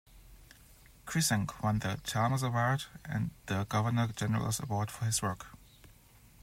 Krizanc won the Chalmers Award and the Governor General's Award for his work.